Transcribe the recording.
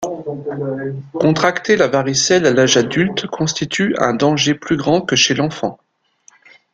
Contracter la varicelle à l’âge adulte constitue un danger plus grand que chez l’enfant.